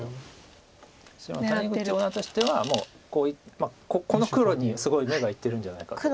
白の谷口五段としてはもうこの黒にすごい目がいってるんじゃないかと。